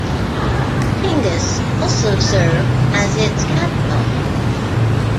Tingis also served as its capital.